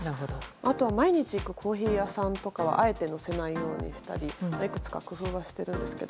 あとは毎日行くコーヒー屋さんとかはあえて載せないようにしたりいくつか工夫はしているんですけど。